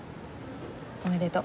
おめでとう。